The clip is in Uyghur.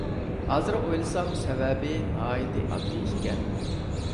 ھازىر ئويلىسام سەۋەبى ناھايىتى ئاددىي ئىكەن.